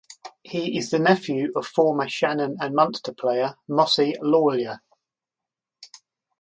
He is the nephew of former Shannon and Munster player Mossy Lawler.